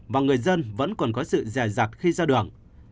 và người dân vẫn còn có sự dài dạc khi ra đường